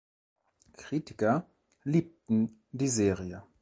Kritiker liebten die Serie.